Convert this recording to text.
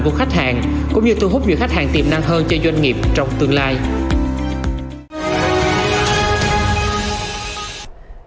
của khách hàng cũng như thu hút nhiều khách hàng tiềm năng hơn cho doanh nghiệp trong tương lai